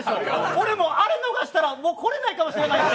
俺、もうあれ逃したら、もう来れないかもしれない。